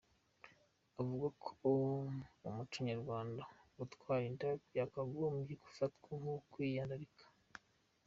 Avuga ko mu muco nyarwanda gutwara inda byakagombye gufatwa nko kwiyandarika.